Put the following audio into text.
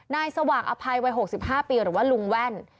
สว่างอภัยวัย๖๕ปีหรือว่าลุงแว่น